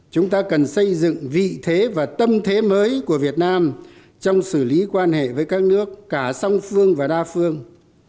chúng ta cần xây dựng vị thế và tâm thế mới của việt nam trong xử lý quan hệ với các nước cả song phương và đa phương